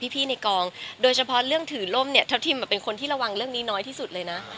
พี่ในกองโดยเฉพาะเรื่องถือล่มเนี่ยเจ้าทิมเป็นคนที่ระวังเรื่องนี้น้อยที่สุดเลยนะ